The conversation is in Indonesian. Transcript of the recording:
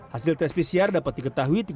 hasil tes pcr dapat diketahui